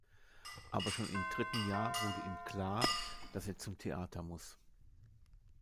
Aber schon im dritten Jahr wurde ihm klar, dass er zum Theater muss.